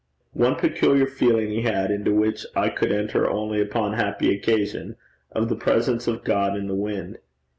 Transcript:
One peculiar feeling he had, into which I could enter only upon happy occasion, of the presence of God in the wind.